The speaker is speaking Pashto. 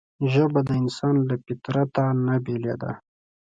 ژبه د انسان له فطرته نه بېله ده